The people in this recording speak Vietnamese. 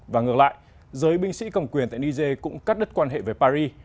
và ngược lại giới binh sĩ cầm quyền tại niger cũng cắt đứt quan hệ với paris